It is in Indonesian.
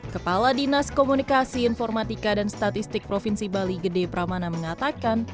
kepala dinas komunikasi informatika dan statistik provinsi bali gede pramana mengatakan